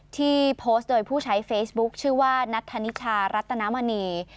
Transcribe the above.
ที่โพสต์โดยผู้ใช้เฟซบุ๊คชื่อว่านัทธนิชารัตนมณี